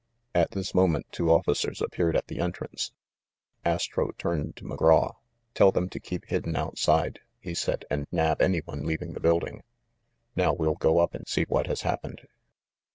At this moment two officers appeared at the entrance. Astro turned to McGraw. "Tell them to keep hidden outside," he said, "and nab any one leaving the build ing. Now we'll go up and see what has happened."